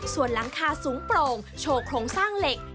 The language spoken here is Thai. ส่วนหลังคาสูงโปร่งโชว์โครงสร้างเหล็ก